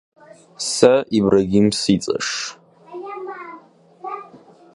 Это мученье!